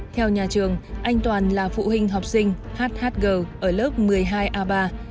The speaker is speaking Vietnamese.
theo nhà trường anh toàn là phụ huynh học sinh hhg ở lớp một mươi hai a ba